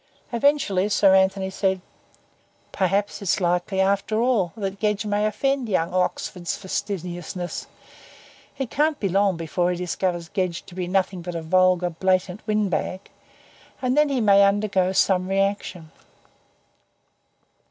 Eventually Sir Anthony said: "Perhaps it's likely, after all, that Gedge may offend young Oxford's fastidiousness. It can't be long before he discovers Gedge to be nothing but a vulgar, blatant wind bag; and then he may undergo some reaction."